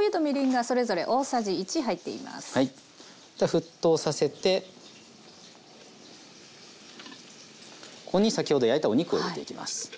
沸騰させてここに先ほど焼いたお肉を入れていきます。